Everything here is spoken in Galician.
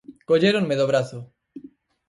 Colléronme do brazo.